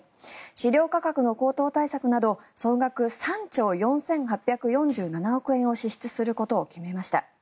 飼料価格の高騰対策など総額３兆４８４７億円を支出することを決めました。